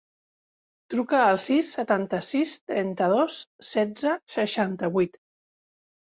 Truca al sis, setanta-sis, trenta-dos, setze, seixanta-vuit.